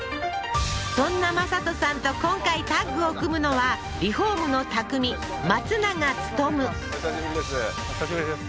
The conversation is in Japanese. そんな魔裟斗さんと今回タッグを組むのはお久しぶりです